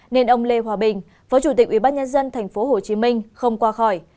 nên ông lê hòa bình phó chủ tịch ủy ban nhân dân tp hcm không qua khỏi